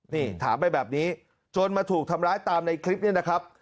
นี่ถามไปแบบนี้จนมาถูกทำร้ายตามในคลิปนี้นะครับ